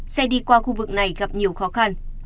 xe đi qua khu vực này gặp nhiều khó khăn